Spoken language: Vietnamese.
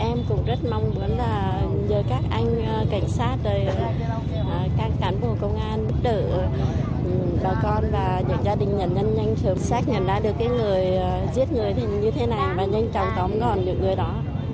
em cũng rất mong muốn là nhờ các anh cảnh sát các cán bộ công an giúp đỡ bà con và những gia đình nhận nhân nhanh sớm xác nhận ra được cái người giết người như thế này và nhanh chóng tóm gọn được người đó